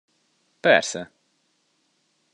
Persze!